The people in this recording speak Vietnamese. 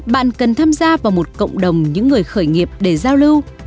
bạn cần tham gia vào một cộng đồng những người khởi nghiệp để giao lưu